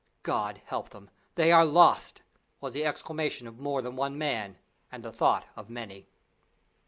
"God help them! they are lost!" was the exclamation of more than one man and the thought of many.